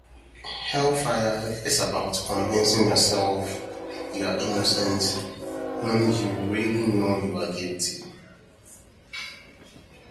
Hellfire is about convincing yourself you're innocent when you really know you're guilty.